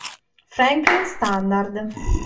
Franklin Standard